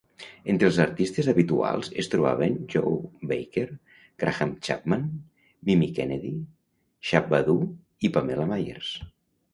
Entre els artistes habituals es trobaven Joe Baker, Graham Chapman, Mimi Kennedy, Shabba-Doo i Pamela Myers.